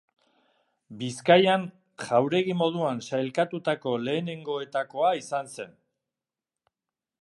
Bizkaian jauregi moduan sailkatutako lehenengoetakoa izan zen.